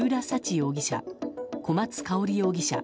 容疑者、小松香織容疑者